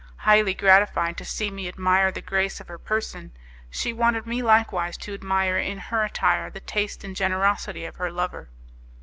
Highly gratified to see me admire the grace of her person, she wanted me likewise to admire in her attire the taste and generosity of her lover.